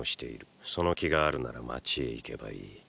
その気があるなら街へ行けばいい。